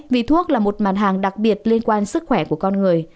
vì thuốc là một mặt hàng đặc biệt liên quan sức khỏe của con người